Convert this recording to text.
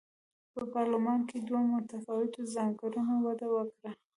په پارلمان کې دوه متفاوتو ځانګړنو وده وکړه.